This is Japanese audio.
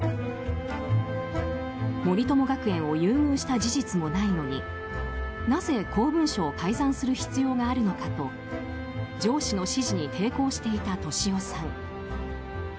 森友学園を優遇した事実もないのになぜ公文書を改ざんする必要があるのかと上司の指示に抵抗していた俊夫さん。